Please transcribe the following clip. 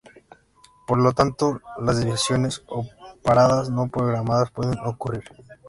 Por lo tanto, las desviaciones o paradas no programadas pueden ocurrir.